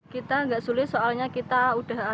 kita nggak sulit soalnya kita udah